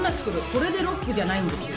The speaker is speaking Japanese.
これでロックじゃないんですよ。